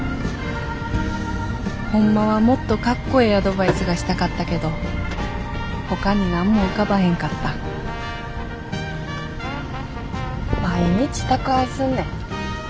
ほんまはもっとかっこええアドバイスがしたかったけどほかに何も浮かばへんかった毎日宅配すんねん。